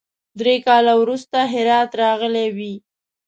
درې کاله وروسته هرات راغلی وي.